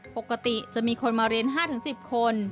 ปกติจะมีคนมาเรียน๕๑๐คน